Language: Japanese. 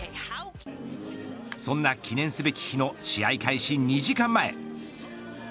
そんな記念すべき日の試合開始２時間前。